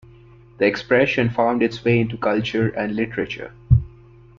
The expression found its way into culture and literature.